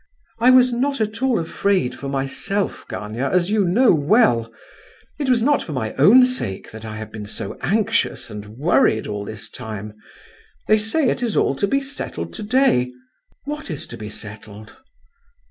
"I was not at all afraid for myself, Gania, as you know well. It was not for my own sake that I have been so anxious and worried all this time! They say it is all to be settled to day. What is to be settled?"